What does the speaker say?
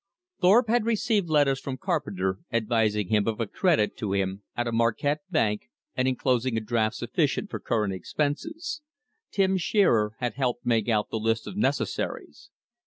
Thorpe had received letters from Carpenter advising him of a credit to him at a Marquette bank, and inclosing a draft sufficient for current expenses. Tim Shearer had helped make out the list of necessaries.